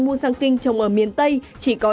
musang king trồng ở miền tây chỉ có